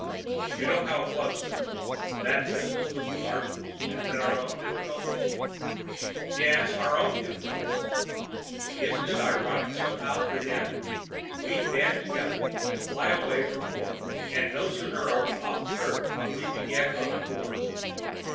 "You know how it was, sir. That business with the Martians and then, our own difficulties " "Yes. Our own difficulties. Isn't it ironic, somehow, Friden? We band together and fly away from war and, no sooner are we off the earth but we begin other wars....